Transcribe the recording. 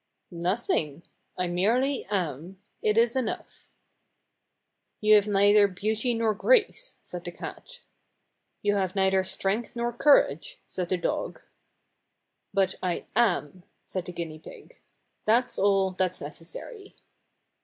"Nothing. I merely am. It is enough." "You have neither beauty nor grace," said the cat. "You have neither strength nor courage," said the dog. "But I am," said the guinea pig. "That's all that's necessary."